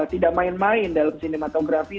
tidak main main dalam sinematografi